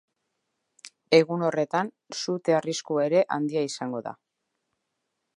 Egun horretan, sute arriskua ere handia izango da.